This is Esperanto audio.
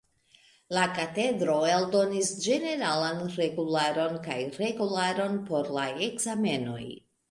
La Katedro eldonis ĝeneralan regularon kaj regularon por la ekzamenoj.